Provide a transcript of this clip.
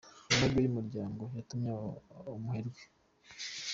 Amahirwe y’umuryango yatumye aba umuherwe